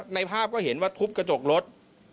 ในภาพก็เห็นว่าทุบกระจกรถ